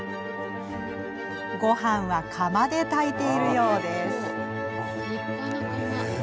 ごはんは釜で炊いているようです。